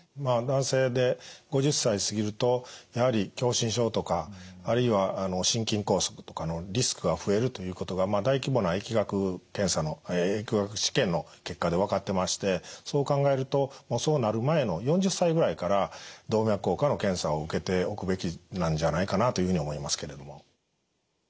男性で５０歳過ぎるとやはり狭心症とかあるいは心筋梗塞とかのリスクが増えるということが大規模な疫学検査の結果で分かってましてそう考えるとそうなる前の４０歳ぐらいから動脈硬化の検査を受けておくべきなんじゃないかなというふうに思いますけれども。